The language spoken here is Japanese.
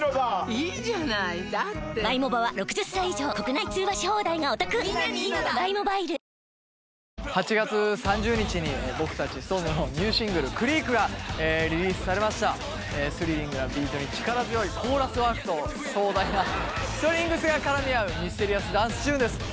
いいじゃないだって８月３０日に僕達ＳｉｘＴＯＮＥＳのニューシングル「ＣＲＥＡＫ」がリリースされましたスリリングなビートに力強いコーラスワークと壮大なストリングスが絡み合うミステリアスダンスチューンです